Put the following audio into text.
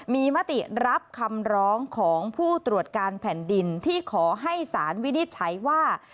มีมติรับคำร้องของผู้ตรวจการแผ่นดินที่ขอให้สารวินิจฉัยว่า